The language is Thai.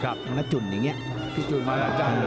คุณพี่จุนอย่างนี้